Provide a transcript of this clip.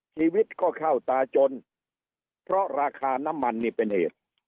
ชีวิตก็เข้าตาจนเพราะราคาน้ำมันนี่เป็นเหตุ